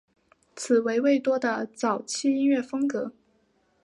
此为魏多的早期音乐风格。